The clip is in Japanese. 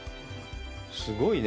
すごいね。